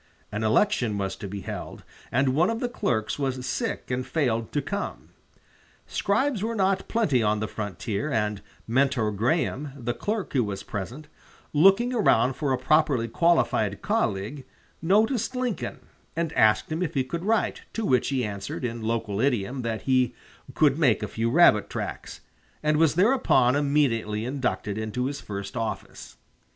An election was to be held, and one of the clerks was sick and failed to come. Scribes were not plenty on the frontier, and Mentor Graham, the clerk who was present, looking around for a properly qualified colleague, noticed Lincoln, and asked him if he could write, to which he answered, in local idiom, that he "could make a few rabbit tracks," and was thereupon immediately inducted into his first office.